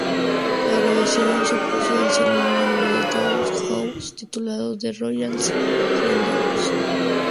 La grabación supuso el segundo álbum de Dollhouse, titulado "The Royal Rendezvous".